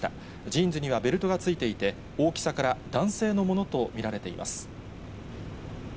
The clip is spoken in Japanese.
ジーンズにはベルトが付いていて、大きさから男性のものと見られています。